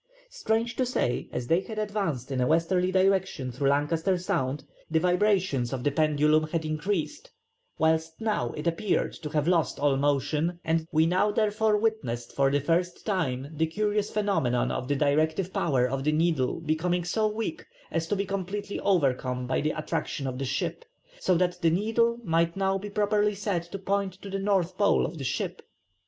Strange to say, as they had advanced in a westerly direction through Lancaster Sound, the vibrations of the pendulum had increased, whilst now it appeared to have lost all motion, and "we now therefore witnessed for the first time the curious phenomenon of the directive power of the needle becoming so weak as to be completely overcome by the attraction of the ship; so that the needle might now be properly said to point to the north pole of the ship."